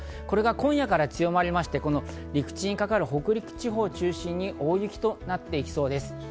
これが今夜から強まりまして、陸地にかかる北陸地方を中心に大雪となっていきそうです。